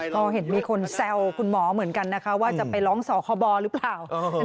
ก็เห็นมีคนแซวคุณหมอเหมือนกันนะคะว่าจะไปร้องสคบหรือเปล่า